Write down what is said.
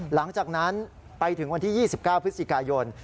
หลังจากนั้นไปถึงวันที่๒๙พฤศจิกายน